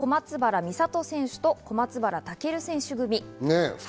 小松原美里選手、小松原尊選手組。